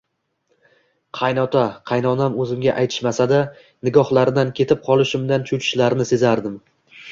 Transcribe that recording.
Qaynota-qaynonam o`zimga aytishmasa-da, nigohlaridan ketib qolishimdan cho`chishlarini sezardim